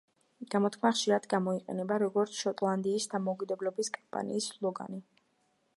გამოთქმა ხშირად გამოიყენება, როგორც შოტლანდიის დამოუკიდებლობის კამპანიის სლოგანი.